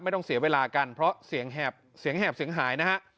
ไม่ต้องเสียเวลากันเพราะเสลงแหบเสร็งหายนะฮะ